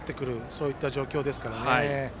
そういった状況ですからね。